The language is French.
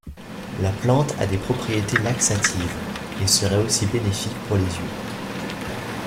La plante a des propriétés laxatives, et serait aussi bénéfique pour les yeux.